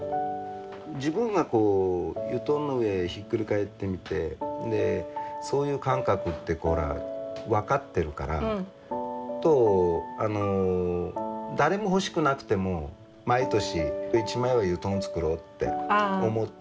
自分が油団の上ひっくり返ってみてそういう感覚って分かってるから誰も欲しくなくても毎年１枚は油団作ろうって思ってきたのね。